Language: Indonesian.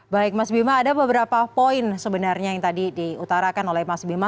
baik mas bima ada beberapa poin sebenarnya yang tadi diutarakan oleh mas bima